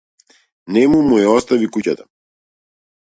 Нему му ја остави куќата.